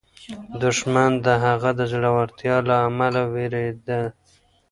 دښمن د هغه د زړورتیا له امله وېرېد.